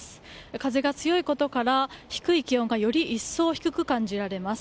風が強いことから、低い気温がより一層、低く感じられます。